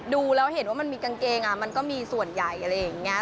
ดูแล้วเห็นว่ามันมีกางเกงมันก็มีส่วนใหญ่